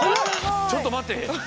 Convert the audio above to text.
ちょっとまって。